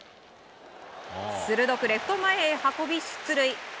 鋭くレフト前へ運び、出塁。